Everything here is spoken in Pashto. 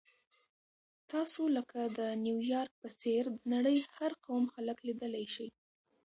تاسو لکه د نیویارک په څېر د نړۍ د هر قوم خلک لیدلی شئ.